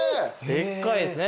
でっかいですね